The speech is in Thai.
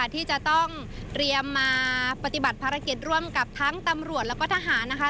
ที่จะต้องเตรียมมาปฏิบัติภารกิจร่วมกับทั้งตำรวจแล้วก็ทหารนะคะ